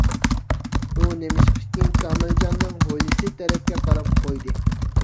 ئۇ نېمىشقىكىن كامىلجاننىڭ ھويلىسى تەرەپكە قاراپ قويدى.